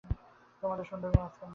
তোমাদের সুন্দরী রাজকন্যা।